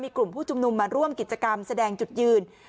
กลุ่มผู้ชุมนุมมาร่วมกิจกรรมแสดงจุดยืน